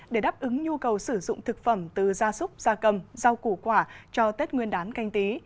để đáp ứng nhu cầu sử dụng thực phẩm từ gia súc gia cầm rau củ quả cho tết nguyên đán canh tí